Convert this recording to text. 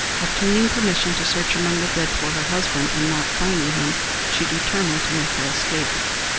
Obtaining permission to search among the dead for her husband, and, not finding him, she determined to make her escape.